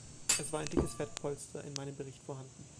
Es war ein dickes Fettpolster in meinem Bericht vorhanden.